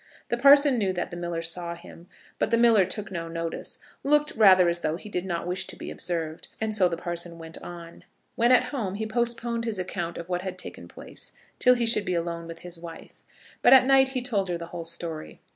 The parson knew that the miller saw him, but the miller took no notice, looked rather as though he did not wish to be observed, and so the parson went on. When at home he postponed his account of what had taken place till he should be alone with his wife; but at night he told her the whole story.